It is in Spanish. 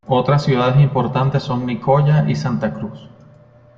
Otras ciudades importantes son Nicoya y Santa Cruz.